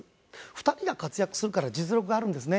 ２人が活躍するから実力があるんですね。